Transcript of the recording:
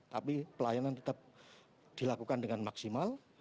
tapi pelayanan tetap dilakukan dengan maksimal